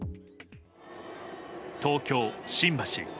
東京・新橋。